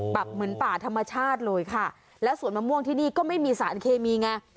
เหมือนป่าธรรมชาติเลยค่ะแล้วสวนมะม่วงที่นี่ก็ไม่มีสารเคมีไง